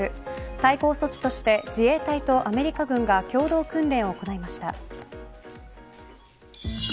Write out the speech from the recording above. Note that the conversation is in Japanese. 対抗措置として自衛隊とアメリカ軍が共同訓練を行いました。